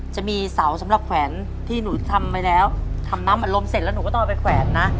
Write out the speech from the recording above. จะมีเสาสำหรับแขวนที่หนูทำไปแล้วทำน้ำอารมณ์เสร็จแล้วหนูก็ต้องเอาไปแขวนนะ